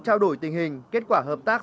trao đổi tình hình kết quả hợp tác